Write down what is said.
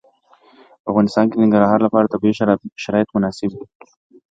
په افغانستان کې د ننګرهار لپاره طبیعي شرایط مناسب دي.